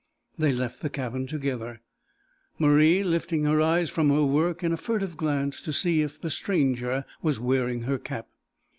They left the cabin together, Marie lifting her eyes from her work in a furtive glance to see if the stranger was wearing her cap.